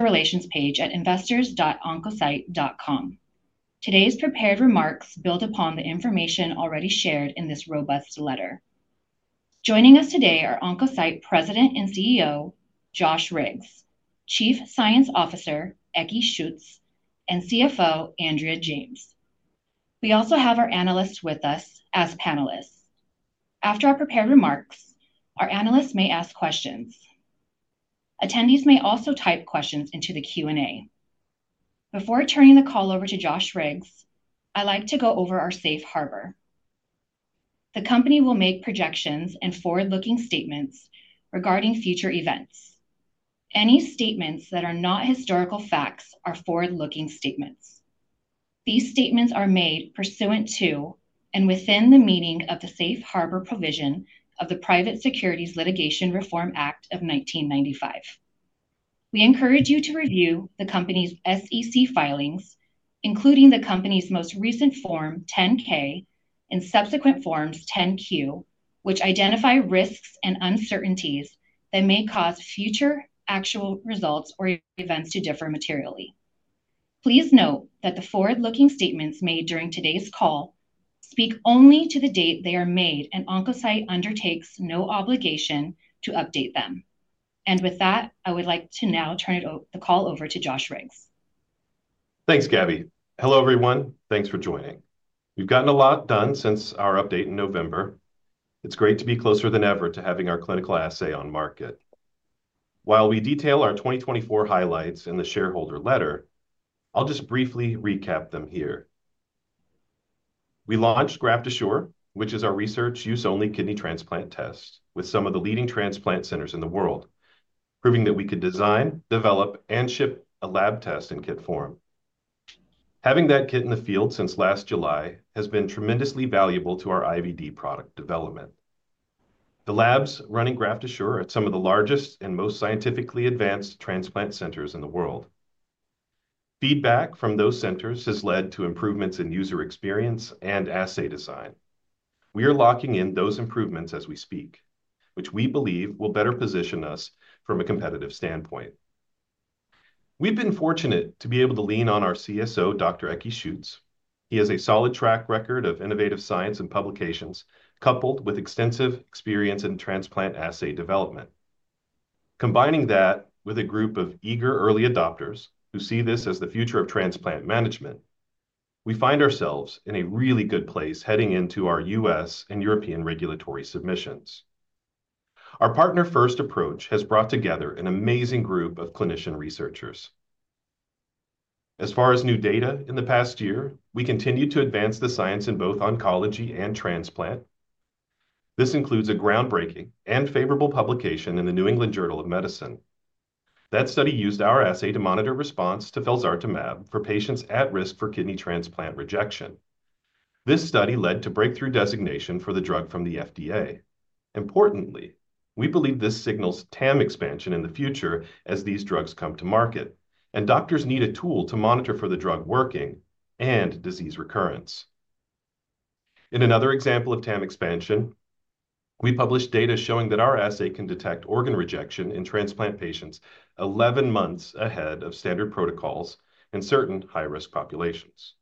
Relations page at investors.oncocyte.com. Today's prepared remarks build upon the information already shared in this robust letter. Joining us today are Oncocyte President and CEO, Josh Riggs, Chief Science Officer, Ekke Schütz, and CFO, Andrea James. We also have our analysts with us as panelists. After our prepared remarks, our analysts may ask questions. Attendees may also type questions into the Q&A. Before turning the call over to Josh Riggs, I'd like to go over our safe harbor. The company will make projections and forward-looking statements regarding future events. Any statements that are not historical facts are forward-looking statements. These statements are made pursuant to and within the meaning of the safe harbor provision of the Private Securities Litigation Reform Act of 1995. We encourage you to review the company's SEC filings, including the company's most recent Form 10-K and subsequent Forms 10-Q, which identify risks and uncertainties that may cause future actual results or events to differ materially. Please note that the forward-looking statements made during today's call speak only to the date they are made, and Oncocyte undertakes no obligation to update them. With that, I would like to now turn the call over to Josh Riggs. Thanks, Gabby. Hello, everyone. Thanks for joining. We've gotten a lot done since our update in November. It's great to be closer than ever to having our clinical assay on market. While we detail our 2024 highlights in the shareholder letter, I'll just briefly recap them here. We launched GraftAssure, which is our research-use-only kidney transplant test with some of the leading transplant centers in the world, proving that we could design, develop, and ship a lab test in kit form. Having that kit in the field since last July has been tremendously valuable to our IVD product development. The labs running GraftAssure are some of the largest and most scientifically advanced transplant centers in the world. Feedback from those centers has led to improvements in user experience and assay design. We are locking in those improvements as we speak, which we believe will better position us from a competitive standpoint. We've been fortunate to be able to lean on our CSO, Dr. Ekke Schütz. He has a solid track record of innovative science and publications, coupled with extensive experience in transplant assay development. Combining that with a group of eager early adopters who see this as the future of transplant management, we find ourselves in a really good place heading into our U.S. and European regulatory submissions. Our partner-first approach has brought together an amazing group of clinician researchers. As far as new data in the past year, we continue to advance the science in both oncology and transplant. This includes a groundbreaking and favorable publication in the New England Journal of Medicine. That study used our assay to monitor response to felzartamab for patients at risk for kidney transplant rejection. This study led to breakthrough designation for the drug from the FDA. Importantly, we believe this signals TAM expansion in the future as these drugs come to market, and doctors need a tool to monitor for the drug working and disease recurrence. In another example of TAM expansion, we published data showing that our assay can detect organ rejection in transplant patients 11 months ahead of standard protocols in certain high-risk populations.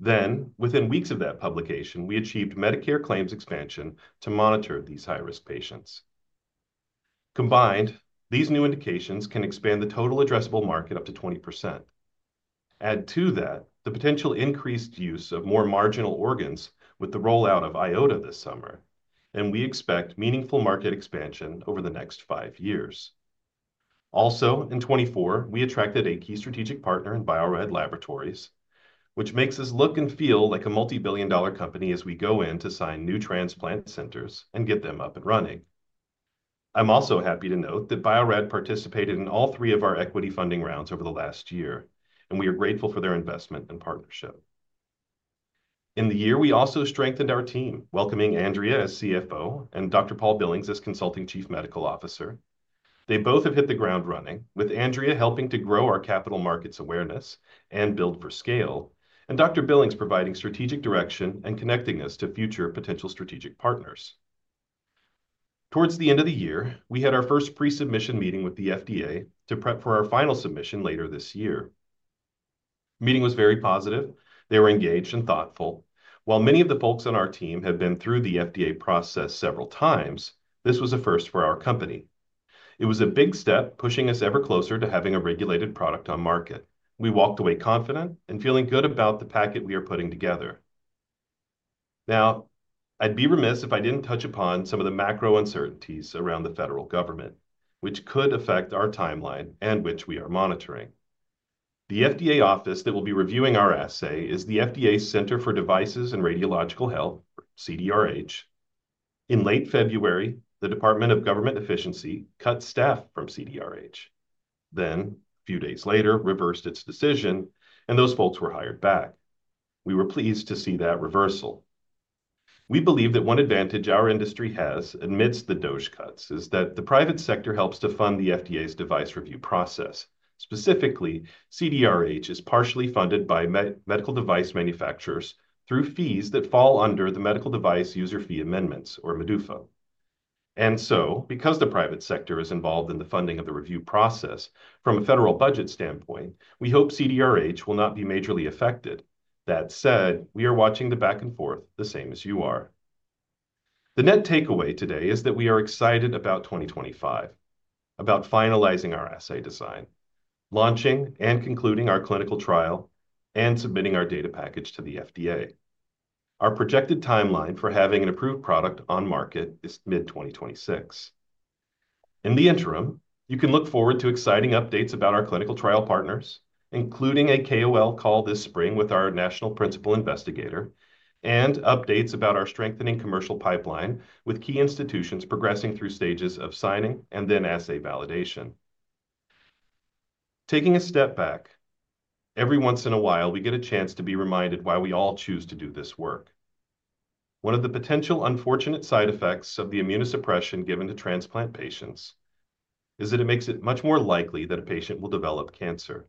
Within weeks of that publication, we achieved Medicare claims expansion to monitor these high-risk patients. Combined, these new indications can expand the total addressable market up to 20%. Add to that the potential increased use of more marginal organs with the rollout of IOTA this summer, and we expect meaningful market expansion over the next five years. Also, in 2024, we attracted a key strategic partner in Bio-Rad Laboratories, which makes us look and feel like a multi-billion dollar company as we go in to sign new transplant centers and get them up and running. I'm also happy to note that Bio-Rad participated in all three of our equity funding rounds over the last year, and we are grateful for their investment and partnership. In the year, we also strengthened our team, welcoming Andrea as CFO and Dr. Paul Billings as Consulting Chief Medical Officer. They both have hit the ground running, with Andrea helping to grow our capital markets awareness and build for scale, and Dr. Billings providing strategic direction and connecting us to future potential strategic partners. Towards the end of the year, we had our first pre-submission meeting with the FDA to prep for our final submission later this year. The meeting was very positive. They were engaged and thoughtful. While many of the folks on our team have been through the FDA process several times, this was a first for our company. It was a big step, pushing us ever closer to having a regulated product on market. We walked away confident and feeling good about the packet we are putting together. Now, I'd be remiss if I didn't touch upon some of the macro uncertainties around the federal government, which could affect our timeline and which we are monitoring. The FDA office that will be reviewing our assay is the FDA Center for Devices and Radiological Health, CDRH. In late February, the Department of Government Efficiency cut staff from CDRH. A few days later, it reversed its decision, and those folks were hired back. We were pleased to see that reversal. We believe that one advantage our industry has amidst the DOGE cuts is that the private sector helps to fund the FDA's device review process. Specifically, CDRH is partially funded by medical device manufacturers through fees that fall under the Medical Device User Fee Amendments, or MDUFA. Because the private sector is involved in the funding of the review process from a federal budget standpoint, we hope CDRH will not be majorly affected. That said, we are watching the back and forth the same as you are. The net takeaway today is that we are excited about 2025, about finalizing our assay design, launching and concluding our clinical trial, and submitting our data package to the FDA. Our projected timeline for having an approved product on market is mid-2026. In the interim, you can look forward to exciting updates about our clinical trial partners, including a KOL call this spring with our National Principal Investigator, and updates about our strengthening commercial pipeline with key institutions progressing through stages of signing and then assay validation. Taking a step back, every once in a while, we get a chance to be reminded why we all choose to do this work. One of the potential unfortunate side effects of the immunosuppression given to transplant patients is that it makes it much more likely that a patient will develop cancer.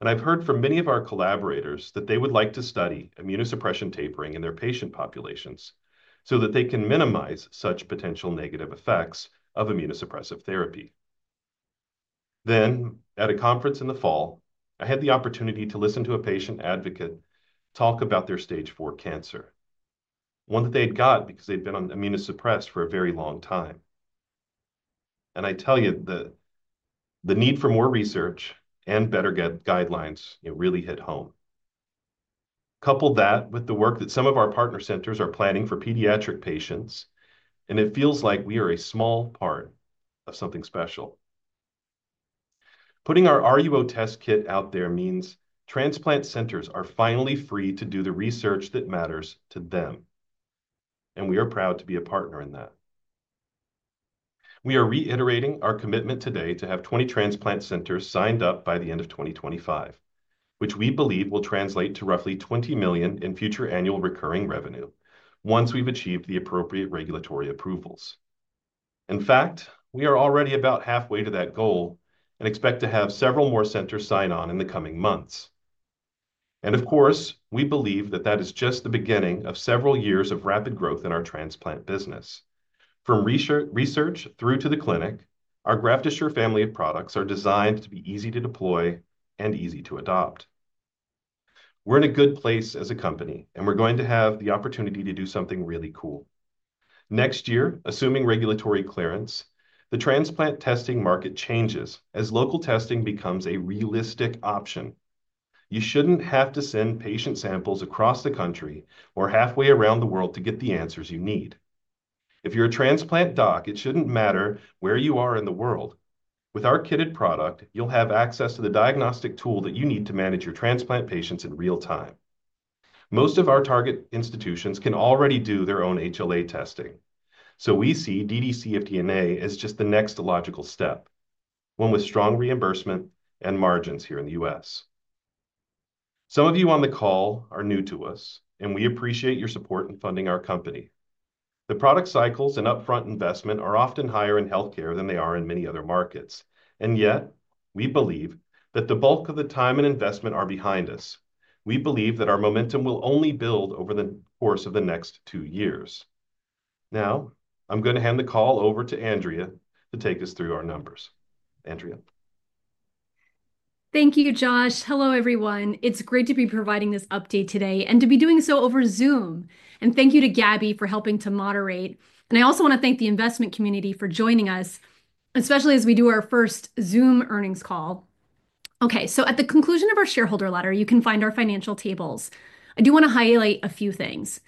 I've heard from many of our collaborators that they would like to study immunosuppression tapering in their patient populations so that they can minimize such potential negative effects of immunosuppressive therapy. At a conference in the fall, I had the opportunity to listen to a patient advocate talk about their stage four cancer, one that they had got because they'd been on immunosuppressed for a very long time. I tell you, the need for more research and better guidelines really hit home. Couple that with the work that some of our partner centers are planning for pediatric patients, and it feels like we are a small part of something special. Putting our RUO test kit out there means transplant centers are finally free to do the research that matters to them, and we are proud to be a partner in that. We are reiterating our commitment today to have 20 transplant centers signed up by the end of 2025, which we believe will translate to roughly $20 million in future annual recurring revenue once we've achieved the appropriate regulatory approvals. In fact, we are already about halfway to that goal and expect to have several more centers sign on in the coming months. Of course, we believe that that is just the beginning of several years of rapid growth in our transplant business. From research through to the clinic, our GraftAssure family of products are designed to be easy to deploy and easy to adopt. We're in a good place as a company, and we're going to have the opportunity to do something really cool. Next year, assuming regulatory clearance, the transplant testing market changes as local testing becomes a realistic option. You shouldn't have to send patient samples across the country or halfway around the world to get the answers you need. If you're a transplant doc, it shouldn't matter where you are in the world. With our kitted product, you'll have access to the diagnostic tool that you need to manage your transplant patients in real time. Most of our target institutions can already do their own HLA testing. We see dd-cfDNA as just the next logical step, one with strong reimbursement and margins here in the U.S. Some of you on the call are new to us, and we appreciate your support in funding our company. The product cycles and upfront investment are often higher in healthcare than they are in many other markets. Yet, we believe that the bulk of the time and investment are behind us. We believe that our momentum will only build over the course of the next two years. Now, I'm going to hand the call over to Andrea to take us through our numbers. Andrea. Thank you, Josh. Hello, everyone. It is great to be providing this update today and to be doing so over Zoom. Thank you to Gabby for helping to moderate. I also want to thank the investment community for joining us, especially as we do our first Zoom earnings call. At the conclusion of our shareholder letter, you can find our financial tables. I do want to highlight a few things.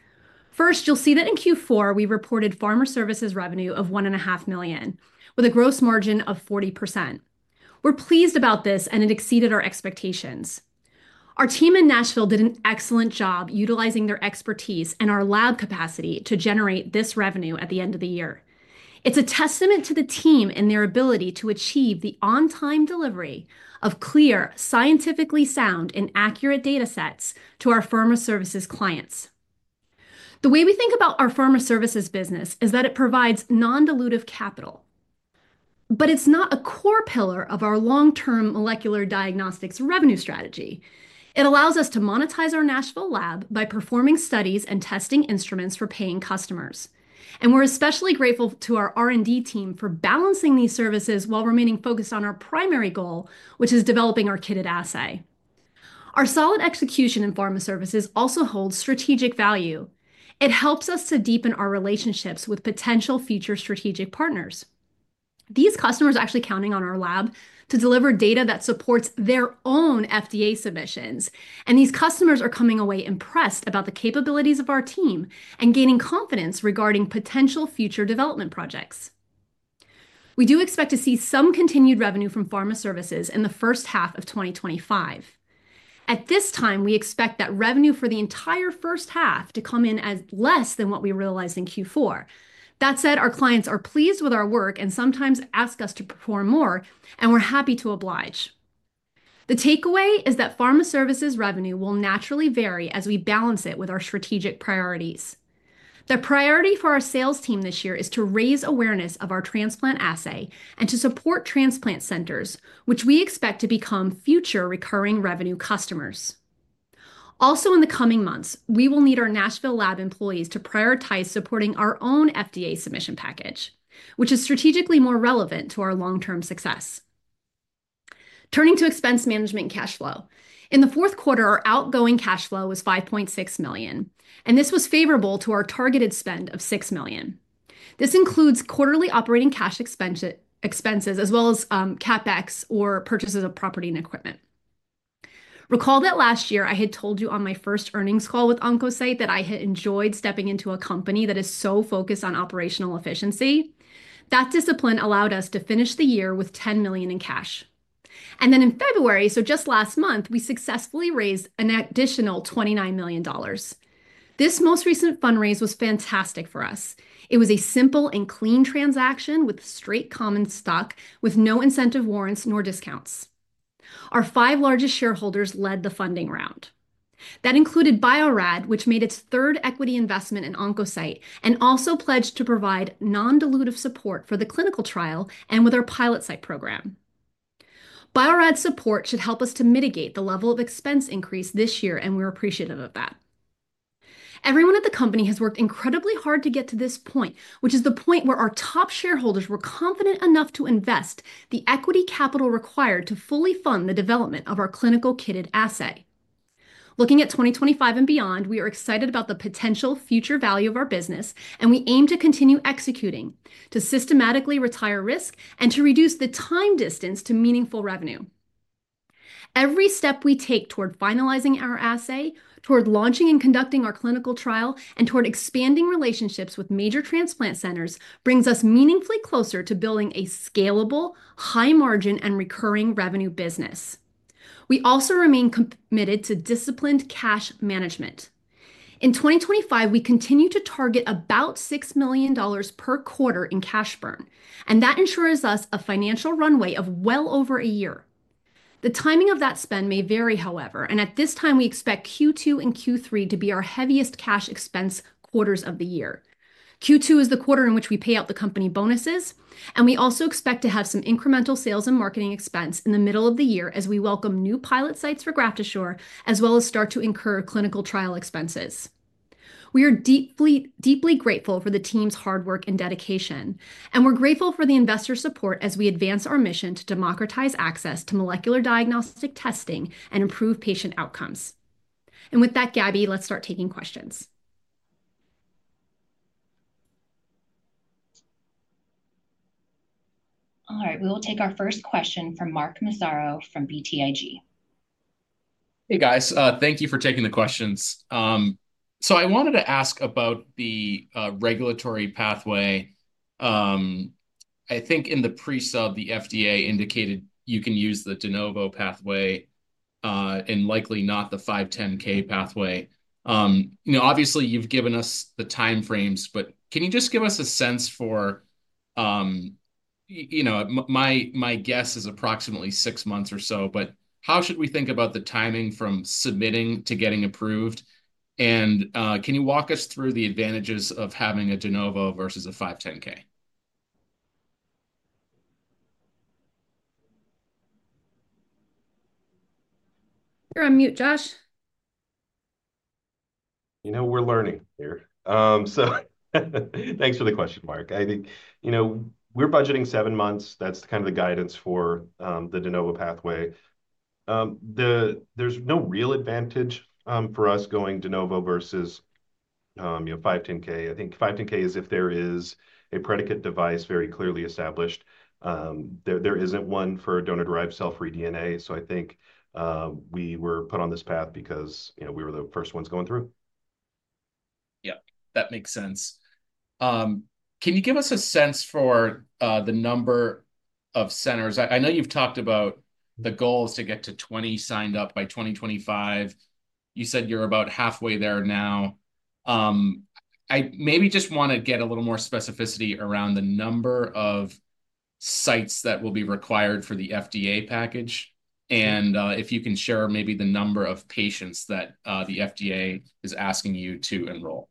First, you will see that in Q4, we reported pharma services revenue of $1.5 million with a gross margin of 40%. We are pleased about this, and it exceeded our expectations. Our team in Nashville did an excellent job utilizing their expertise and our lab capacity to generate this revenue at the end of the year. It's a testament to the team and their ability to achieve the on-time delivery of clear, scientifically sound, and accurate data sets to our pharma services clients. The way we think about our pharma services business is that it provides non-dilutive capital, but it's not a core pillar of our long-term molecular diagnostics revenue strategy. It allows us to monetize our Nashville lab by performing studies and testing instruments for paying customers. We are especially grateful to our R&D team for balancing these services while remaining focused on our primary goal, which is developing our kitted assay. Our solid execution in pharma services also holds strategic value. It helps us to deepen our relationships with potential future strategic partners. These customers are actually counting on our lab to deliver data that supports their own FDA submissions, and these customers are coming away impressed about the capabilities of our team and gaining confidence regarding potential future development projects. We do expect to see some continued revenue from pharma services in the first half of 2025. At this time, we expect that revenue for the entire first half to come in as less than what we realized in Q4. That said, our clients are pleased with our work and sometimes ask us to perform more, and we're happy to oblige. The takeaway is that pharma services revenue will naturally vary as we balance it with our strategic priorities. The priority for our sales team this year is to raise awareness of our transplant assay and to support transplant centers, which we expect to become future recurring revenue customers. Also, in the coming months, we will need our Nashville lab employees to prioritize supporting our own FDA submission package, which is strategically more relevant to our long-term success. Turning to expense management cash flow. In the fourth quarter, our outgoing cash flow was $5.6 million, and this was favorable to our targeted spend of $6 million. This includes quarterly operating cash expenses as well as CapEx or purchases of property and equipment. Recall that last year, I had told you on my first earnings call with Oncocyte that I had enjoyed stepping into a company that is so focused on operational efficiency. That discipline allowed us to finish the year with $10 million in cash. In February, just last month, we successfully raised an additional $29 million. This most recent fundraise was fantastic for us. It was a simple and clean transaction with straight common stock, with no incentive warrants nor discounts. Our five largest shareholders led the funding round. That included Bio-Rad, which made its third equity investment in Oncocyte and also pledged to provide non-dilutive support for the clinical trial and with our pilot site program. Bio-Rad's support should help us to mitigate the level of expense increase this year, and we're appreciative of that. Everyone at the company has worked incredibly hard to get to this point, which is the point where our top shareholders were confident enough to invest the equity capital required to fully fund the development of our clinical kitted assay. Looking at 2025 and beyond, we are excited about the potential future value of our business, and we aim to continue executing to systematically retire risk and to reduce the time distance to meaningful revenue. Every step we take toward finalizing our assay, toward launching and conducting our clinical trial, and toward expanding relationships with major transplant centers brings us meaningfully closer to building a scalable, high-margin, and recurring revenue business. We also remain committed to disciplined cash management. In 2025, we continue to target about $6 million per quarter in cash burn, and that ensures us a financial runway of well over a year. The timing of that spend may vary, however, and at this time, we expect Q2 and Q3 to be our heaviest cash expense quarters of the year. Q2 is the quarter in which we pay out the company bonuses, and we also expect to have some incremental sales and marketing expense in the middle of the year as we welcome new pilot sites for GraftAssure, as well as start to incur clinical trial expenses. We are deeply grateful for the team's hard work and dedication, and we're grateful for the investor support as we advance our mission to democratize access to molecular diagnostic testing and improve patient outcomes. Gabby, let's start taking questions. All right, we will take our first question from Mark Massaro from BTIG. Hey, guys. Thank you for taking the questions. I wanted to ask about the regulatory pathway. I think in the pre-sub, the FDA indicated you can use the de novo pathway and likely not the 510(k) pathway. You know, obviously, you've given us the timeframes, but can you just give us a sense for, you know, my guess is approximately six months or so, but how should we think about the timing from submitting to getting approved? Can you walk us through the advantages of having a de novo versus a 510(k)? You're on mute, Josh. You know, we're learning here. Thanks for the question, Mark. I think, you know, we're budgeting seven months. That's kind of the guidance for the de novo pathway. There's no real advantage for us going de novo versus, you know, 510(k). I think 510(k) is if there is a predicate device very clearly established. There isn't one for donor-derived cell-free DNA. I think we were put on this path because, you know, we were the first ones going through. Yeah, that makes sense. Can you give us a sense for the number of centers? I know you've talked about the goal is to get to 20 signed up by 2025. You said you're about halfway there now. I maybe just want to get a little more specificity around the number of sites that will be required for the FDA package, and if you can share maybe the number of patients that the FDA is asking you to enroll.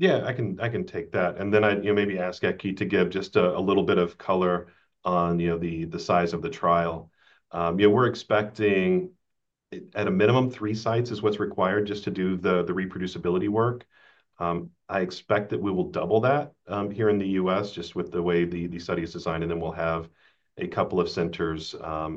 Yeah, I can take that. I maybe ask Ekke to give just a little bit of color on the size of the trial. We're expecting at a minimum three sites is what's required just to do the reproducibility work. I expect that we will double that here in the U.S. just with the way the study is designed, and then we'll have a couple of centers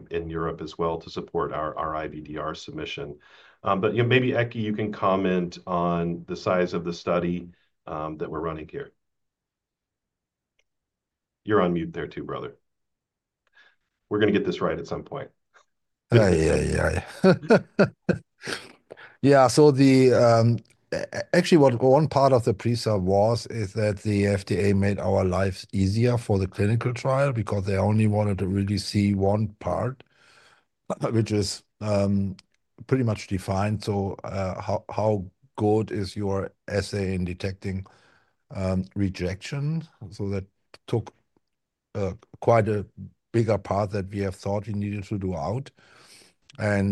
in Europe as well to support our IVDR submission. Maybe Ekke, you can comment on the size of the study that we're running here. You're on mute there too, brother. We're going to get this right at some point. Yeah, yeah, yeah. Yeah, so actually what one part of the pre-sub was is that the FDA made our lives easier for the clinical trial because they only wanted to really see one part, which is pretty much defined. How good is your assay in detecting rejection? That took quite a bigger part that we have thought we needed to do out.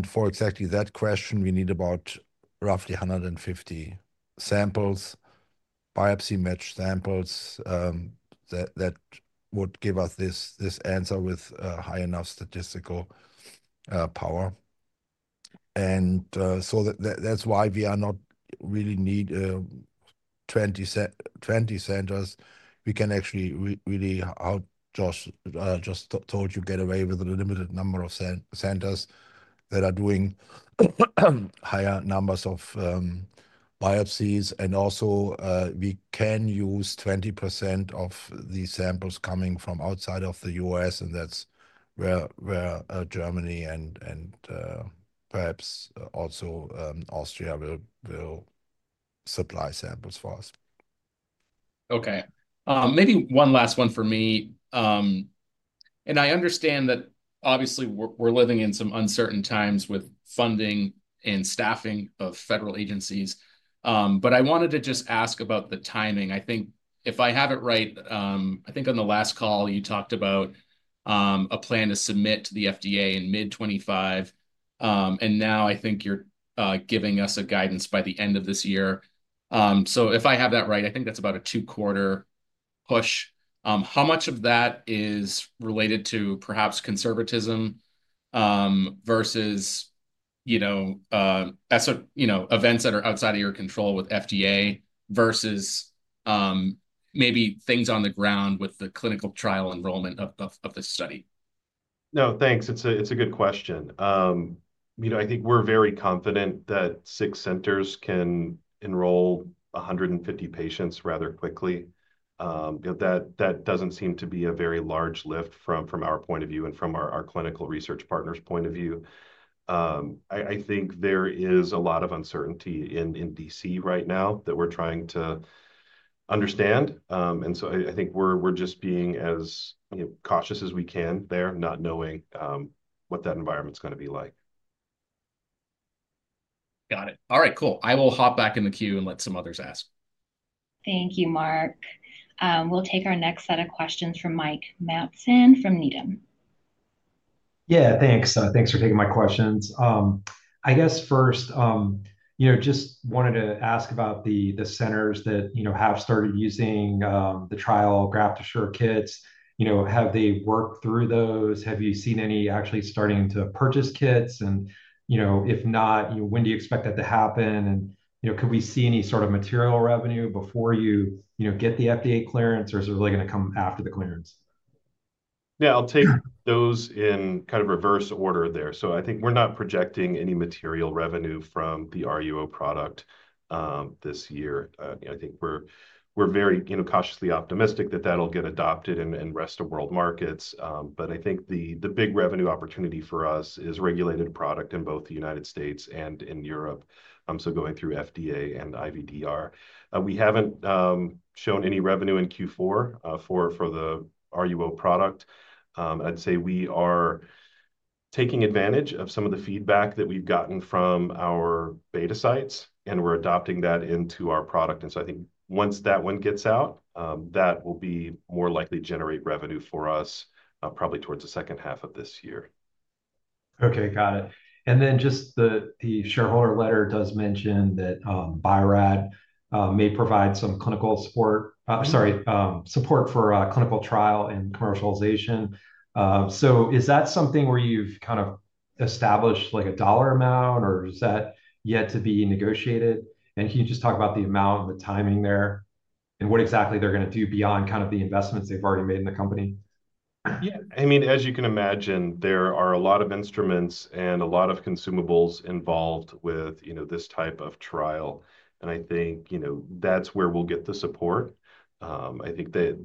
For exactly that question, we need about roughly 150 samples, biopsy-matched samples that would give us this answer with high enough statistical power. That is why we are not really need 20 centers. We can actually really, how Josh just told you, get away with a limited number of centers that are doing higher numbers of biopsies. We can use 20% of the samples coming from outside of the U.S., and that is where Germany and perhaps also Austria will supply samples for us. Okay. Maybe one last one for me. I understand that obviously we're living in some uncertain times with funding and staffing of federal agencies. I wanted to just ask about the timing. I think if I have it right, I think on the last call, you talked about a plan to submit to the FDA in mid-2025, and now I think you're giving us a guidance by the end of this year. If I have that right, I think that's about a two-quarter push. How much of that is related to perhaps conservatism versus events that are outside of your control with FDA versus maybe things on the ground with the clinical trial enrollment of the study? No, thanks. It's a good question. I think we're very confident that six centers can enroll 150 patients rather quickly. That doesn't seem to be a very large lift from our point of view and from our clinical research partners' point of view. I think there is a lot of uncertainty in D.C. right now that we're trying to understand. I think we're just being as cautious as we can there, not knowing what that environment's going to be like. Got it. All right, cool. I will hop back in the queue and let some others ask. Thank you, Mark. We'll take our next set of questions from Mike Matson from Needham. Yeah, thanks. Thanks for taking my questions. I guess first, just wanted to ask about the centers that have started using the trial GraftAssure kits. Have they worked through those? Have you seen any actually starting to purchase kits? If not, when do you expect that to happen? Could we see any sort of material revenue before you get the FDA clearance, or is it really going to come after the clearance? Yeah, I'll take those in kind of reverse order there. I think we're not projecting any material revenue from the RUO product this year. I think we're very cautiously optimistic that that'll get adopted in rest of world markets. I think the big revenue opportunity for us is regulated product in both the U.S. and in Europe, going through FDA and IVDR. We haven't shown any revenue in Q4 for the RUO product. I'd say we are taking advantage of some of the feedback that we've gotten from our beta sites, and we're adopting that into our product. I think once that one gets out, that will be more likely to generate revenue for us probably towards the second half of this year. Okay, got it. The shareholder letter does mention that Bio-Rad may provide some support for clinical trial and commercialization. Is that something where you've kind of established a dollar amount, or is that yet to be negotiated? Can you just talk about the amount and the timing there and what exactly they're going to do beyond kind of the investments they've already made in the company? Yeah, I mean, as you can imagine, there are a lot of instruments and a lot of consumables involved with this type of trial. I think that's where we'll get the support. I think that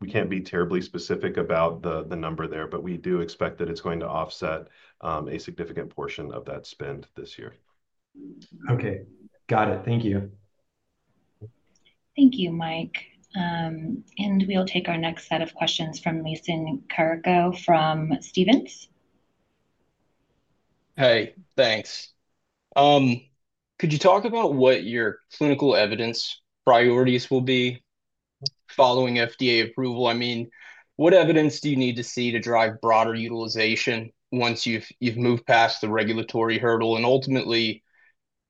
we can't be terribly specific about the number there, but we do expect that it's going to offset a significant portion of that spend this year. Okay. Got it. Thank you. Thank you, Mike. We will take our next set of questions from Mason Carrico from Stephens. Hey, thanks. Could you talk about what your clinical evidence priorities will be following FDA approval? I mean, what evidence do you need to see to drive broader utilization once you've moved past the regulatory hurdle? Ultimately,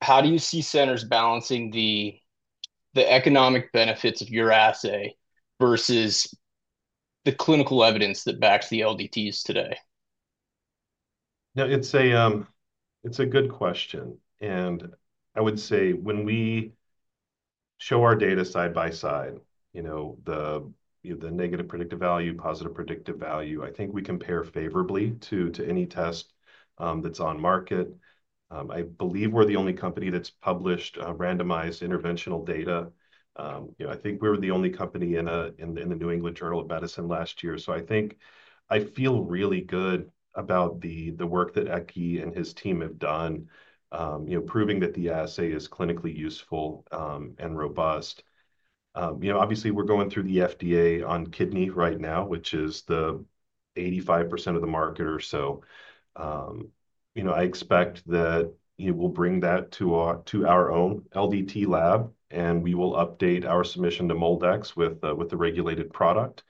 how do you see centers balancing the economic benefits of your assay versus the clinical evidence that backs the LDTs today? No, it's a good question. I would say when we show our data side by side, the negative predictive value, positive predictive value, I think we compare favorably to any test that's on market. I believe we're the only company that's published randomized interventional data. I think we were the only company in the New England Journal of Medicine last year. I feel really good about the work that Ekke and his team have done, proving that the assay is clinically useful and robust. Obviously, we're going through the FDA on kidney right now, which is the 85% of the market or so. I expect that we'll bring that to our own LDT lab, and we will update our submission to MolDX with the regulated product.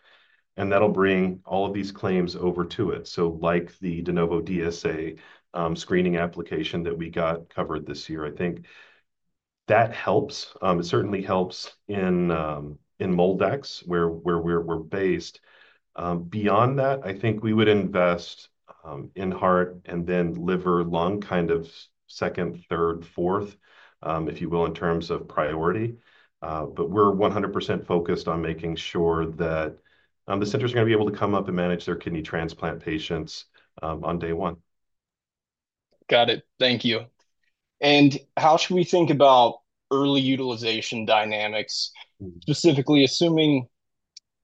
That'll bring all of these claims over to it. Like the de novo DSA screening application that we got covered this year, I think that helps. It certainly helps in MolDX where we're based. Beyond that, I think we would invest in heart and then liver, lung kind of second, third, fourth, if you will, in terms of priority. We are 100% focused on making sure that the center is going to be able to come up and manage their kidney transplant patients on day one. Got it. Thank you. How should we think about early utilization dynamics? Specifically, assuming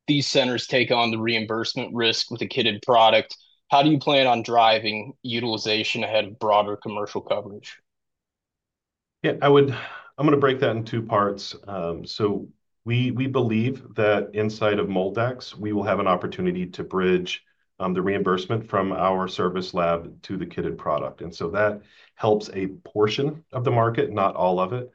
these centers take on the reimbursement risk with a kitted product, how do you plan on driving utilization ahead of broader commercial coverage? Yeah, I'm going to break that in two parts. We believe that inside of MolDX, we will have an opportunity to bridge the reimbursement from our service lab to the kitted product. That helps a portion of the market, not all of it.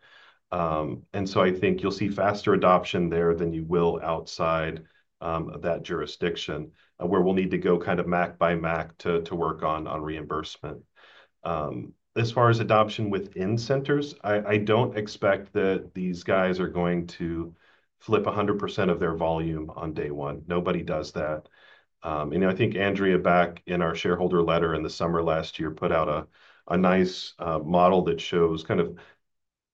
I think you'll see faster adoption there than you will outside of that jurisdiction where we'll need to go kind of MAC by MAC to work on reimbursement. As far as adoption within centers, I don't expect that these guys are going to flip 100% of their volume on day one. Nobody does that. I think Andrea, back in our shareholder letter in the summer last year, put out a nice model that shows kind of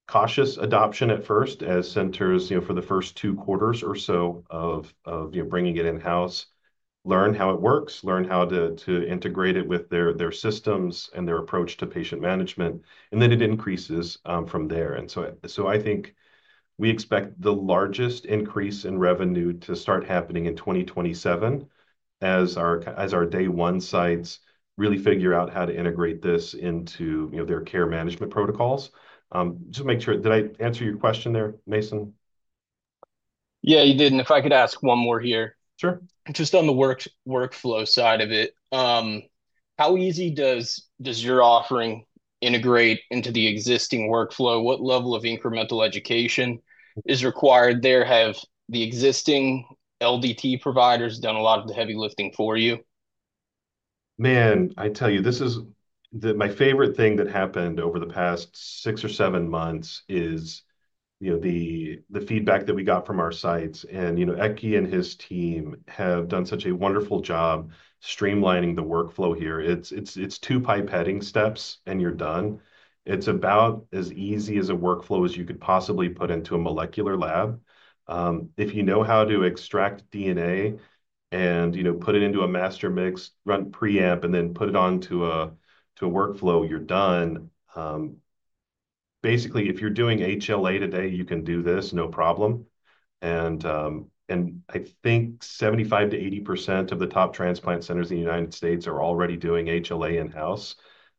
cautious adoption at first as centers for the first two quarters or so of bringing it in-house, learn how it works, learn how to integrate it with their systems and their approach to patient management, and then it increases from there. I think we expect the largest increase in revenue to start happening in 2027 as our day one sites really figure out how to integrate this into their care management protocols. Just to make sure, did I answer your question there, Mason? Yeah, you didn't. If I could ask one more here. Sure. Just on the workflow side of it, how easy does your offering integrate into the existing workflow? What level of incremental education is required there? Have the existing LDT providers done a lot of the heavy lifting for you? Man, I tell you, this is my favorite thing that happened over the past six or seven months is the feedback that we got from our sites. Ekke and his team have done such a wonderful job streamlining the workflow here. It's two pipetting steps and you're done. It's about as easy as a workflow as you could possibly put into a molecular lab. If you know how to extract DNA and put it into a master mix, run preamp, and then put it onto a workflow, you're done. Basically, if you're doing HLA today, you can do this, no problem. I think 75%-80% of the top transplant centers in the U.S. are already doing HLA in-house.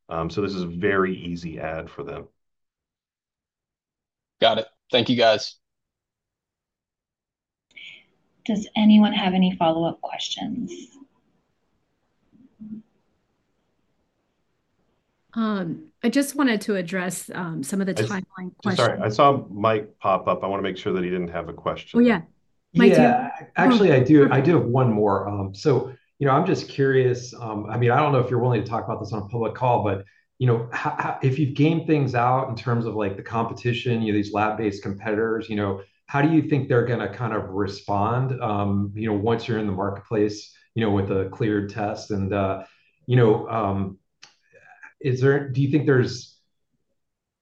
This is a very easy add for them. Got it. Thank you, guys. Does anyone have any follow-up questions? I just wanted to address some of the timeline questions. Sorry, I saw Mike pop up. I want to make sure that he didn't have a question. Oh, yeah. Mike too. Yeah, actually, I do have one more. I mean, I do not know if you are willing to talk about this on a public call, but if you have gained things out in terms of the competition, these lab-based competitors, how do you think they are going to kind of respond once you are in the marketplace with a cleared test? Do you think there is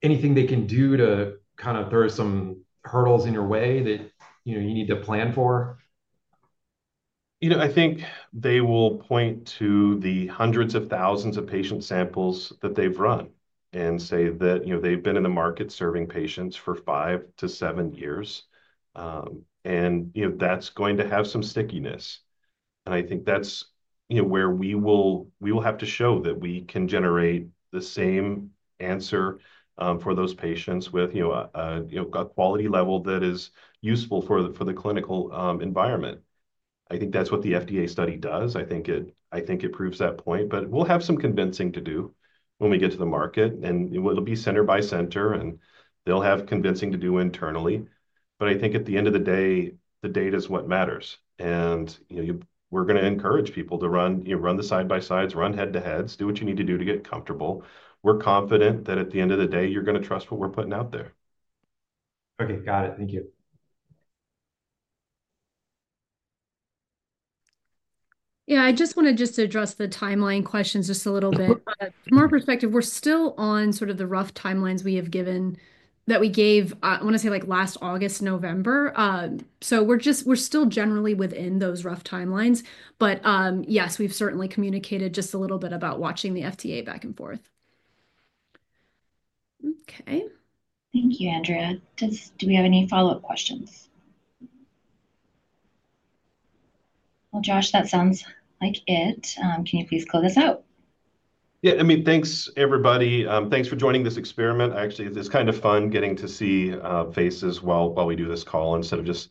anything they can do to kind of throw some hurdles in your way that you need to plan for? I think they will point to the hundreds of thousands of patient samples that they've run and say that they've been in the market serving patients for five to seven years. That's going to have some stickiness. I think that's where we will have to show that we can generate the same answer for those patients with a quality level that is useful for the clinical environment. I think that's what the FDA study does. I think it proves that point. We'll have some convincing to do when we get to the market. It'll be center by center, and they'll have convincing to do internally. I think at the end of the day, the data is what matters. We're going to encourage people to run the side by sides, run head to heads, do what you need to do to get comfortable. We're confident that at the end of the day, you're going to trust what we're putting out there. Okay, got it. Thank you. Yeah, I just want to address the timeline questions just a little bit. From our perspective, we're still on sort of the rough timelines we have given that we gave, I want to say last August, November. We're still generally within those rough timelines. Yes, we've certainly communicated just a little bit about watching the FDA back and forth. Okay. Thank you, Andrea. Do we have any follow-up questions? Josh, that sounds like it. Can you please close us out? Yeah, I mean, thanks, everybody. Thanks for joining this experiment. Actually, it's kind of fun getting to see faces while we do this call instead of just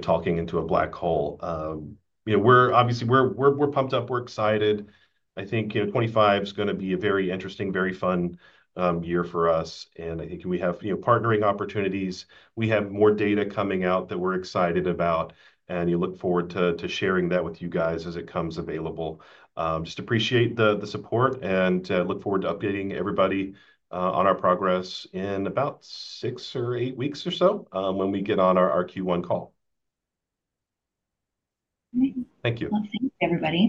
talking into a black hole. Obviously, we're pumped up. We're excited. I think 2025 is going to be a very interesting, very fun year for us. I think we have partnering opportunities. We have more data coming out that we're excited about. You look forward to sharing that with you guys as it comes available. Just appreciate the support and look forward to updating everybody on our progress in about six or eight weeks or so when we get on our Q1 call. Thank you. Thank you, everybody.